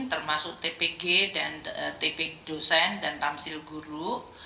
termasuk tpg dan tp dosen dan tamsil guru